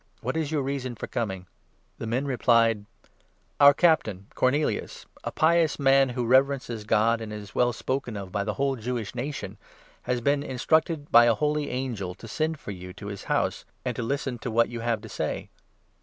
What is your reason for coming ?" The men replied : 22 "Our captain, Cornelius, a pious man who reverences God and is well spoken of by the whole Jewish nation, has been instructed by a holy angel to send for you to his house, and to listen to what you have to say."